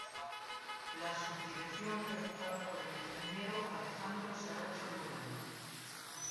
La Subdirección fue ocupada por el Ing. Alejandro Saracho Luna.